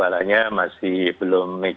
outraka udara itu juga oxytensis